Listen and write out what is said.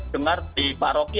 dengar di paroki